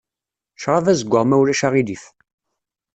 Ccṛab azeggaɣ ma ulac aɣilif.